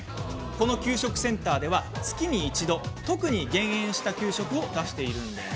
この給食センターでは月に一度、特に減塩した給食を出しているそうです。